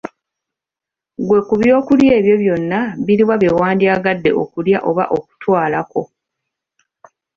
Ggwe ku by'okulya ebyo byonna biruwa byewandyagadde okulya oba okutwalako?